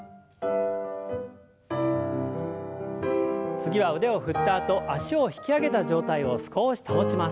次は腕を振ったあと脚を引き上げた状態を少し保ちます。